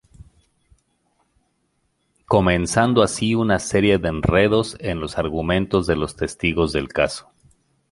Comenzando así una serie de enredos en los argumentos de los testigos del caso.